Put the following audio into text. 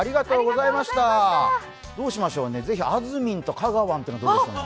どうしましょうね、あずみんとかがわんというのはどうでしょうね。